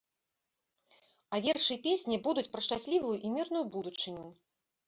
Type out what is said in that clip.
А вершы і песні будуць пра шчаслівую і мірную будучыню.